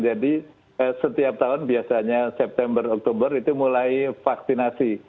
jadi setiap tahun biasanya september oktober itu mulai vaksinasi